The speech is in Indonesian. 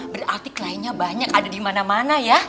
berarti kliennya banyak ada dimana mana ya